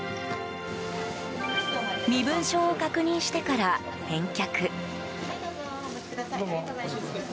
身分証を確認してから返却。